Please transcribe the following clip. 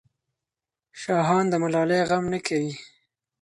شاهان د ملالۍ غم نه کوي.